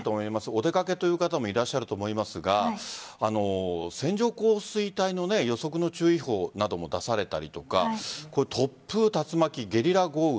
お出かけという方もいらっしゃると思いますが線状降水帯の予測の注意報なども出されたりとか突風、竜巻、ゲリラ豪雨